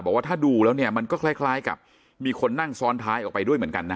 บอกว่าถ้าดูแล้วเนี่ยมันก็คล้ายกับมีคนนั่งซ้อนท้ายออกไปด้วยเหมือนกันนะ